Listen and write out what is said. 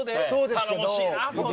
頼もしいなって。